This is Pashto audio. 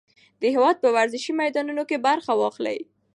د هېواد په ورزشي میدانونو کې برخه واخلئ.